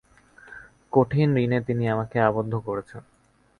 কঠিন ঋণে তিনি আমাকে আবদ্ধ করেছেন।